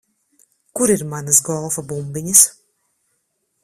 Kur ir manas golfa bumbiņas?